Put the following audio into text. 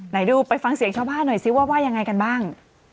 ไหนดูไปฟังเสียงชาวบ้านหน่อยซิว่าว่ายังไงกันบ้าง